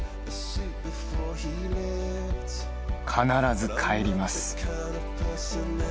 「必ず帰ります」